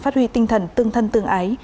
phát huy tinh thần tương thân tương ái